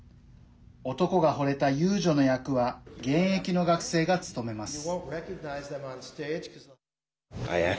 男がほれた遊女の役は現役の学生が務めます。